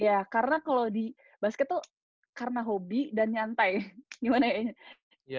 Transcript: ya karena kalau di basket tuh karena hobi dan nyantai gimana ya